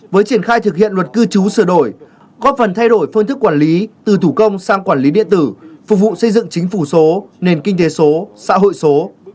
với triển khai thực hiện luật cư trú sửa đổi góp phần thay đổi phương thức quản lý từ thủ công sang quản lý điện tử phục vụ xây dựng chính phủ số nền kinh tế số xã hội số